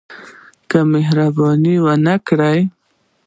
که مهرباني ونه کړي.